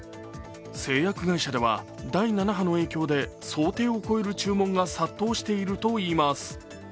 製薬会社では第７波の影響で想定を超える注文が殺到しているといいます。